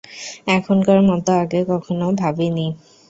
এখনকার মত আগে কখনও ভাবিনি।